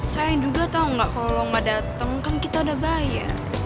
saya juga tau nggak kalau lo nggak dateng kan kita udah bayar